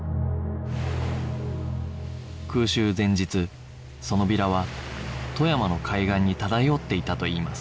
空襲前日そのビラは富山の海岸に漂っていたといいます